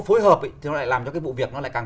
phối hợp thì nó lại làm cho cái vụ việc nó lại càng